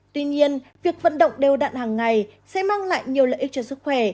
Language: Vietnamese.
tuy nhiên việc vận động đều đạn hàng ngày sẽ mang lại nhiều lợi ích cho sức khỏe